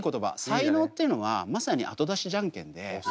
才能っていうのはまさにあと出しじゃんけんで。